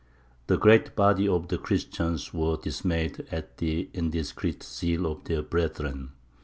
The great body of the Christians were dismayed at the indiscreet zeal of their brethren.